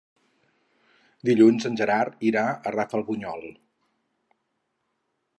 Dilluns en Gerard irà a Rafelbunyol.